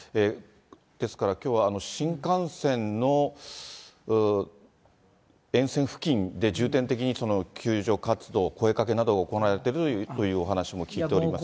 ですから、きょうは、新幹線の沿線付近で重点的にその救助活動、声かけなどが行われてるというお話も聞いております。